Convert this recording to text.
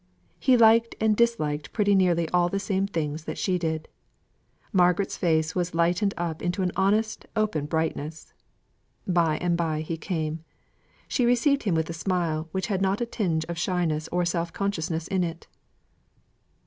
He liked and disliked pretty nearly the same things that she did. Margaret's face was lightened up into an honest, open brightness. By and by he came. She received him with a smile which had not a tinge of shyness or self consciousness in it.